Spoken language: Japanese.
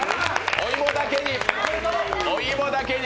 お芋だけに！